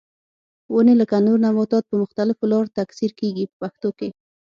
ونې لکه نور نباتات په مختلفو لارو تکثیر کېږي په پښتو کې.